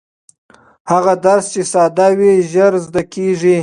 هغه درس چې ساده وي ژر زده کېږي.